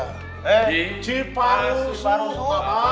eh ciparusu pak